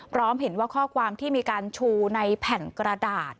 พร้อมเห็นว่าข้อความที่มีการชูในแผ่นกระดาษ